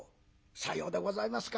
「さようでございますか。